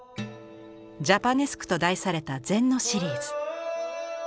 「ジャパネスク」と題された禅のシリーズ。